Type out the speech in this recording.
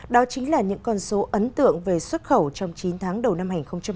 đó chính là những con số ấn tượng về xuất khẩu trong chín tháng đầu năm hai nghìn hai mươi